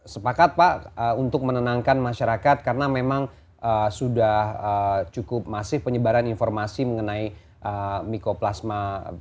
sepakat pak untuk menenangkan masyarakat karena memang sudah cukup masif penyebaran informasi mengenai mikoplasma